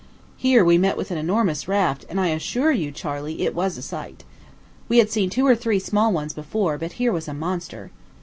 Here we met with an enormous raft; and I assure you, Charley, it was a sight. We had seen two or three small ones before, but here was a monster.